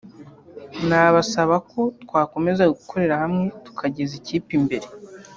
nabasaba ko twakomeza gukorera hamwe tugateza ikipe imbere